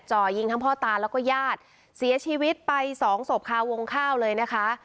จ่อยิงทั้งพ่อตาแล้วก็ญาติเสียชีวิตไปสองศพคาวงข้าวเลยนะคะ